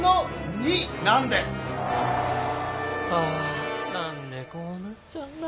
あなんでこうなっちゃうんだろう！